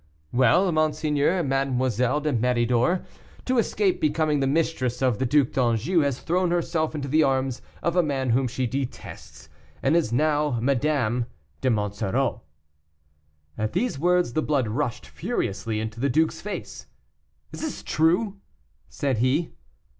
"Well, monseigneur, Mademoiselle de Méridor, to escape becoming the mistress of the Duc d'Anjou, has thrown herself into the arms of a man whom she detests, and is now Madame de Monsoreau." At these words the blood rushed furiously into the duke's face. "Is this true?" said he.